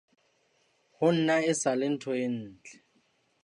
Ho nna e sale ntho e ntle.